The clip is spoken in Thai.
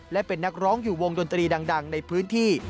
และเป็นนักร้องอยู่วงดนตรีดังในพื้นที่